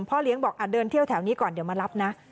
เลี้ยงบอกเดินเที่ยวแถวนี้ก่อนเดี๋ยวมารับนะ